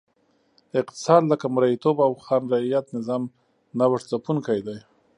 اقتصاد لکه مریتوب او خان رعیت نظام نوښت ځپونکی دی.